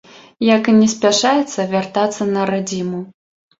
Як і не спяшаецца вяртацца на радзіму.